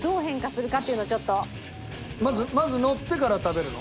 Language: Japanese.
まず乗ってから食べるの？